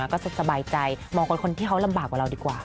ก็จะสบายใจมองคนที่เขาลำบากกว่าเราดีกว่า